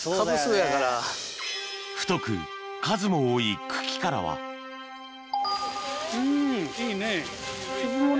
太く数も多い茎からはうんいいね。